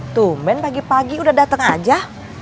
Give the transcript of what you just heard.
tumen pagi pagi udah datang aja